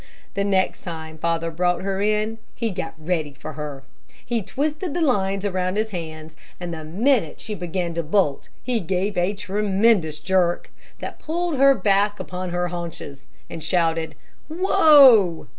The next time father brought her in, he got ready for her. He twisted the lines around his hands, and the minute she began to bolt, he gave a tremendous jerk, that pulled her back upon her haunches, and shouted, 'Whoa!'